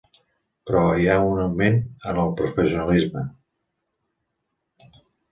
Però, hi ha un augment en el professionalisme.